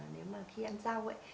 nếu mà khi ăn rau ấy